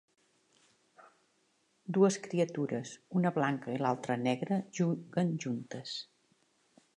Dues criatures, una blanca i l'altra negra, juguen juntes.